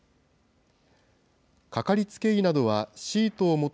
かかりつけ医などはシートをもと